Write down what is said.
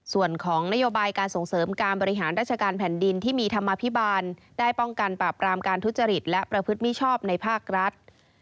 ส่วนของนโยบายการส่งเสริมการบริหารราชการแผ่นดินที่มีธรรมภิบาลได้ป้องกันปราบรามการทุจริตและประพฤติมิชอบในภาครัฐ